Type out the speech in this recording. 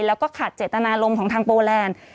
แล้วก็ขาดเจตนารมณ์ของทางโปแลนด์